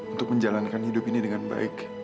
untuk menjalankan hidup ini dengan baik